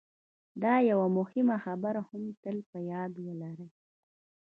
دا یوه مهمه خبره هم تل په یاد ولرئ